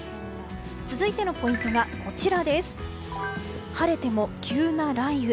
続いてのポイントが晴れても急な雷雨。